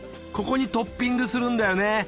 ここにトッピングするんだよね？